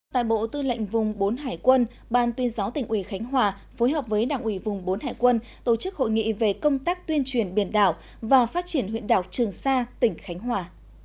tại bộ tư lệnh vùng bốn hải quân ban tuyên giáo tỉnh ủy khánh hòa phối hợp với đảng ủy vùng bốn hải quân tổ chức hội nghị về công tác tuyên truyền biển đảo và phát triển huyện đảo trường sa tỉnh khánh hòa